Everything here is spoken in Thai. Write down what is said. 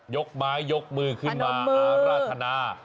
ยกไม้ยกมือขึ้นมาอาราธนา